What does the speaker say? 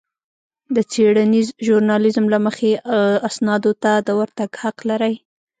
د څېړنيز ژورنالېزم له مخې اسنادو ته د ورتګ حق لرئ.